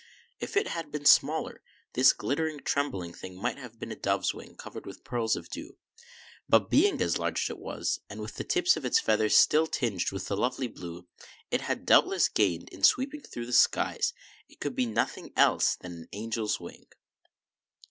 If it had been smaller, this glittering, trembling thing might have been a dove's wing, covered with pearls of dew; but, being as large as it was, and with the tips of its feathers still tinged with the lovely blue it had doubtless gained in sweeping through the skies, it could be nothing else than an angel's wing.